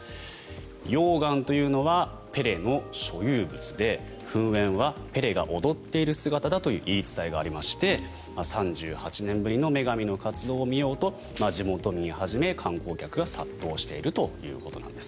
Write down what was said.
溶岩というのはペレの所有物で噴煙はペレが踊っている姿だという言い伝えがありまして３８年ぶりの女神の活動を見ようと地元民をはじめ観光客が殺到しているということです。